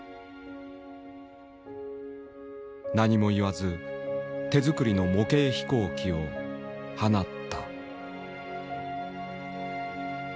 何も言わず手作りの模型飛行機を放った。